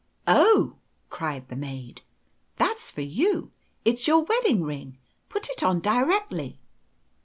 "Oh," cried the maid, "that's for you! It's your wedding ring. Put it on directly."